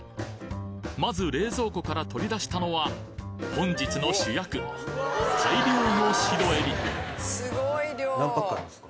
まず冷蔵庫から取り出したのは本日の主役大量の白えびあそうなんですか？